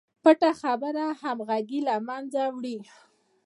پټه خبره همغږي له منځه وړي.